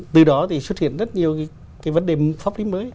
từ đó thì xuất hiện rất nhiều cái vấn đề pháp lý mới